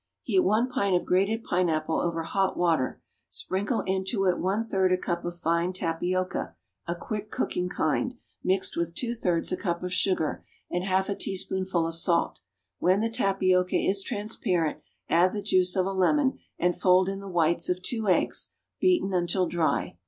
= Heat one pint of grated pineapple over hot water, sprinkle into it one third a cup of fine tapioca (a quick cooking kind), mixed with two thirds a cup of sugar, and half a teaspoonful of salt; when the tapioca is transparent, add the juice of a lemon, and fold in the whites of two eggs, beaten until dry.